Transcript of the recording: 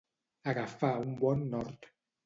Agafar un bon nord.